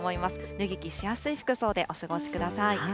脱ぎ着しやすい服装でお過ごしください。